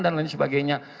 dan lain sebagainya